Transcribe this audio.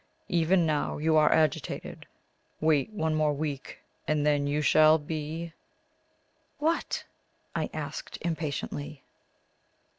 Even now you are agitated. Wait one week more, and then you shall be " "What?" I asked impatiently.